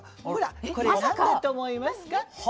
ほらこれ何だと思いますか？